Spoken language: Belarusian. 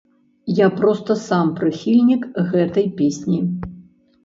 Я проста сам прыхільнік гэтай песні.